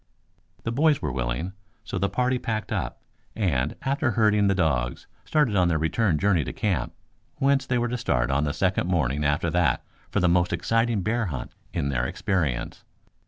The boys were willing, so the party packed up, and, after herding the dogs, started on their return journey to camp, whence they were to start on the second morning after that for the most exciting bear hunt in their experience.